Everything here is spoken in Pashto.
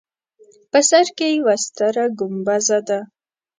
په سر کې یوه ستره ګومبزه ده.